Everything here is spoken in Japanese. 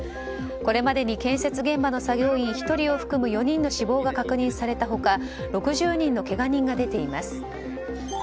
これまでに建設現場の作業員１人を含む４人の死亡が確認された他６０人のけが人が出ています。